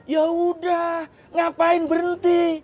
yaudah ngapain berhenti